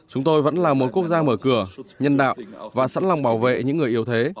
chúng tôi vẫn là một quốc gia mở cửa nhân đạo và sẵn lòng bảo vệ những người yếu thế